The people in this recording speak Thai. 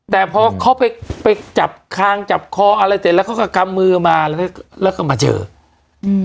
แต่พอเขาไปไปจับคางจับคออะไรเสร็จแล้วเขาก็กำมือมาแล้วก็มาเจออืม